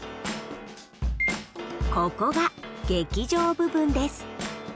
ここが劇場部分です。